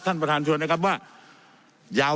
ท่านประธานชวนนะครับว่ายาว